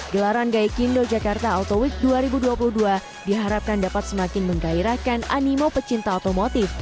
gelaran gaikindo jakarta auto week dua ribu dua puluh dua diharapkan dapat semakin menggairahkan animo pecinta otomotif